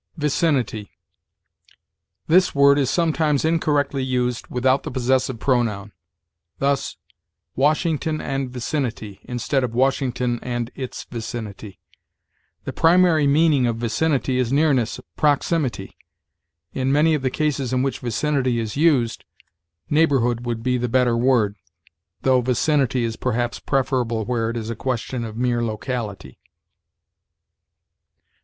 VICINITY. This word is sometimes incorrectly used without the possessive pronoun; thus, "Washington and vicinity," instead of "Washington and its vicinity." The primary meaning of vicinity is nearness, proximity. In many of the cases in which vicinity is used, neighborhood would be the better word, though vicinity is perhaps preferable where it is a question of mere locality.